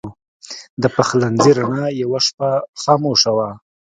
د پخلنځي رڼا یوه شپه خاموشه وه.